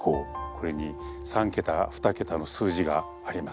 これに３桁２桁の数字があります。